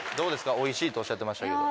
オイシいとおっしゃってましたけど。